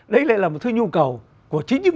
đấy lại là một thứ nhu cầu của chính những